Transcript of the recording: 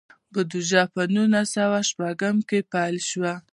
بودیجه په نولس سوه شپږ کې پیل شوه.